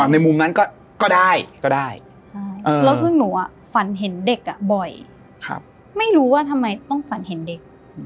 ในมุมนั้นก็ได้ก็ได้แล้วซึ่งหนูฝันเห็นเด็กบ่อยไม่รู้ว่าทำไมต้องฝันเห็นเด็ก